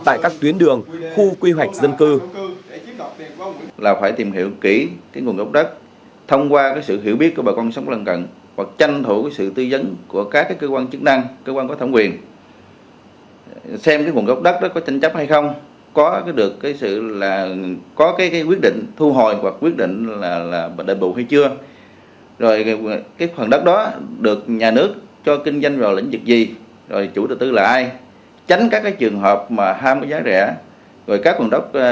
tại các tuyến đường khu quy hoạch dân cư